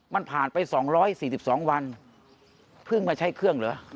มันผ่านไป๒๔๒วันเพิ่งมาใช้เครื่องเหรอ